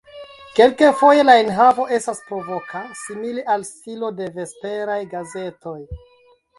Kelkfoje la enhavo estas provoka, simile al stilo de vesperaj gazetoj.